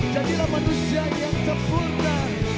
jadilah manusia yang sempurna